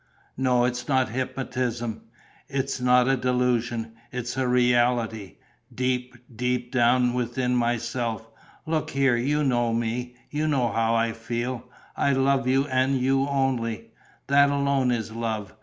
"No, it's not hypnotism. It's not a delusion: it's a reality, deep, deep down within myself. Look here, you know me: you know how I feel. I love you and you only. That alone is love.